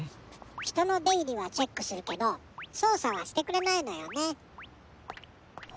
ひとのでいりはチェックするけどそうさはしてくれないのよね。